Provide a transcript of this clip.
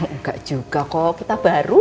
enggak juga kok kita baru